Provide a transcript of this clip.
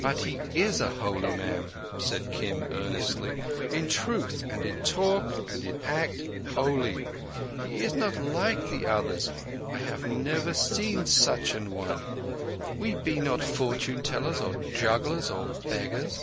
"But he is a holy man," said Kim earnestly. "In truth, and in talk and in act, holy. He is not like the others. I have never seen such an one. We be not fortune tellers, or jugglers, or beggars."